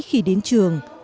khi đến trường